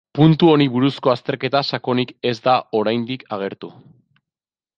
Puntu honi buruzko azterketa sakonik ez da oraindik agertu.